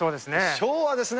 昭和ですね。